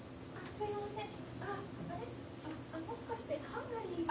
すいません。